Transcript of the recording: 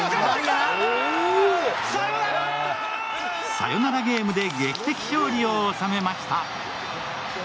サヨナラゲームで劇的勝利を収めました。